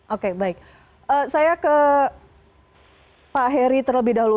oke baik saya ke pak heri terlebih dahulu